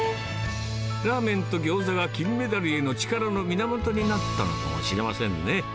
ラーメンとギョーザが金メダルへの力の源になったのかもしれませんね。